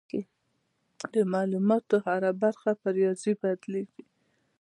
د معلوماتو هره برخه په ریاضي بدلېږي.